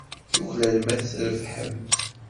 Tuklalem ad trebḥem.